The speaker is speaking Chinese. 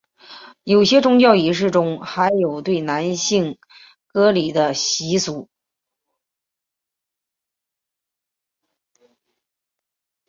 有些宗教仪式中还有对男性割礼的习俗。